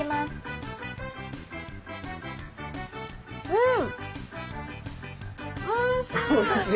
うん。